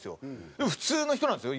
でも普通の人なんですよ。